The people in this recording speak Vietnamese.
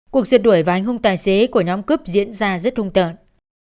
cuộc giật đuổi và anh hùng tài xế của nhóm cướp diễn ra rất hung tợn